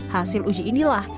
hasil uji inilah